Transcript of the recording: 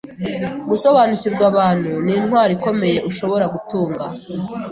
Gusobanukirwa abantu nintwaro ikomeye ushobora gutunga.